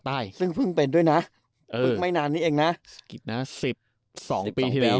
ใต้ซึ่งเพิ่งเป็นด้วยน่ะเออปึ๊บไม่นานนี้เองน่ะสิบสองปีที่แล้ว